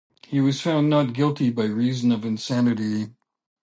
He was found not guilty by reason of insanity.